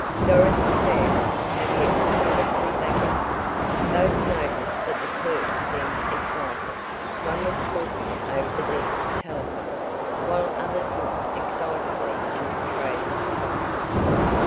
Dorothy turned, and Tavia was directly back of her. Both noticed that the clerks seemed excited one was talking over the desk telephone, while others looked excitedly into trays and boxes.